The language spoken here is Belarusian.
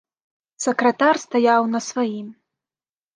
Сакратар стаяў на сваім.